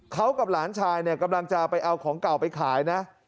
เขากับหลานชายกำลังจะเอาของเก่าไปขาย